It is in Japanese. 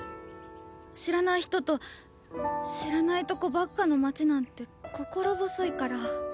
知らない人と知らないとこばっかの街なんて心細いから。